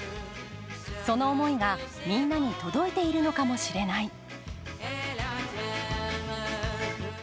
その思いがみんなに届いているのかもしれない。